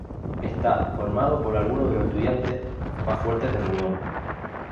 Está formado por algunos de los estudiantes más fuertes de Reunión.